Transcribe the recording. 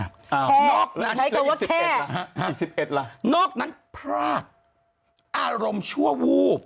แค่ใช้คำว่าแค่นอกนั้นพลาดอารมณ์ชั่ววูบ